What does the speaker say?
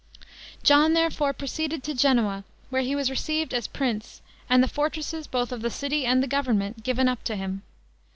John, therefore, proceeded to Genoa, where he was received as prince, and the fortresses, both of the city and the government, given up to him.